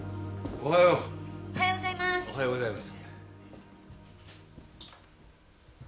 おはようございます。